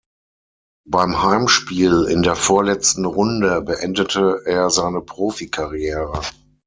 Beim Heimspiel in der vorletzten Runde beendete er seine Profikarriere.